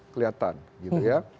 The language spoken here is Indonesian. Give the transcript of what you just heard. kelihatan gitu ya